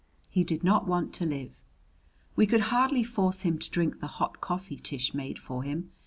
He did not want to live. We could hardly force him to drink the hot coffee Tish made for him.